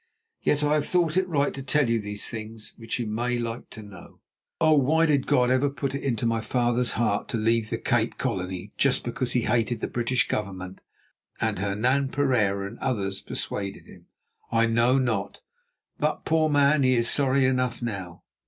Yet I have thought it right to tell you these things, which you may like to know. "Oh, why did God ever put it into my father's heart to leave the Cape Colony just because he hated the British Government and Hernan Pereira and others persuaded him? I know not, but, poor man, he is sorry enough now.